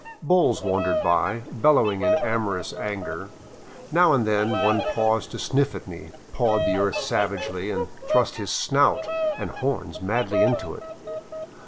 Bulls wandered by, bellowing in amorous anger. Now and then one paused to sniff at me, pawed the earth savagely, and thrust his snout and horns madly into it.